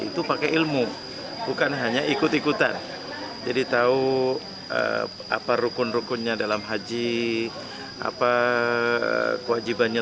itu pakai ilmu bukan hanya ikut ikutan jadi tahu apa rukun rukunnya dalam haji apa kewajibannya